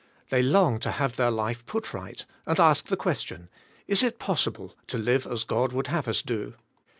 They long to have their life put right, and ask the question, ^'Is it possible to live as God would have us do?"